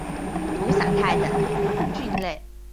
毒伞肽等菌类。